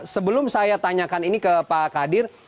sebelum saya tanyakan ini ke pak kadir